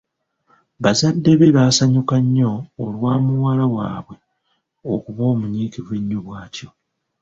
Bazadde be baasanyuka nnyo olwa muwala waabwe okuba omunyiikivu ennyo bwatyo.